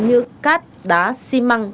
như cát đá xi măng